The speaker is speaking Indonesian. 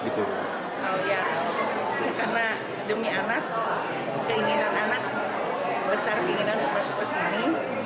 karena demi anak keinginan anak besar keinginan untuk masuk ke sini